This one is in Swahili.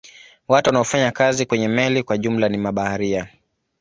Watu wanaofanya kazi kwenye meli kwa jumla ni mabaharia.